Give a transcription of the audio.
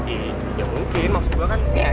iya mungkin maksud gue kan si aja semuanya